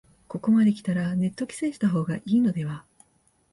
ここまできたらネット規制した方がいいのでは